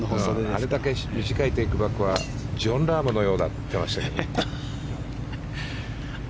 あれだけ短いテイクバックはジョン・ラームのようだと言ってましたよ。